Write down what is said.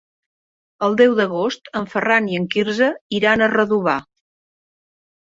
El deu d'agost en Ferran i en Quirze iran a Redovà.